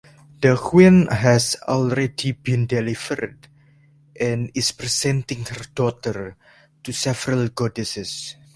The queen has already been delivered, and is presenting her daughter to several goddesses.